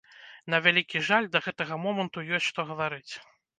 На вялікі жаль, да гэтага моманту ёсць, што гаварыць.